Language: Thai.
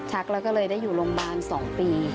แล้วก็เลยได้อยู่โรงพยาบาล๒ปี